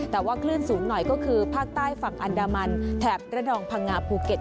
แต่ว่าคลื่นสูงหน่อยก็คือภาคใต้ฝั่งอันดามันแถบระนองพังงาภูเก็ต